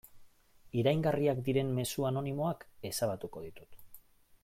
Iraingarriak diren mezu anonimoak ezabatuko ditut.